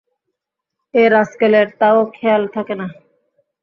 এ রাস্কেলের তাও খেয়াল থাকে না।